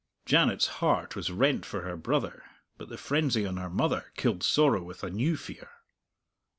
Janet's heart was rent for her brother, but the frenzy on her mother killed sorrow with a new fear.